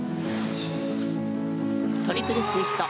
トリプルツイスト